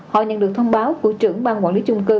họ nhận được thông báo của trưởng bang quản lý trung cư